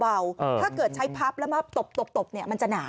ถ้าเกิดใช้พับแล้วมาตบมันจะหนา